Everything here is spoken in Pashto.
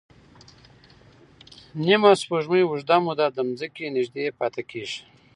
نیمه سپوږمۍ اوږده موده د ځمکې نږدې پاتې کېږي.